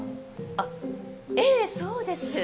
あっええそうです。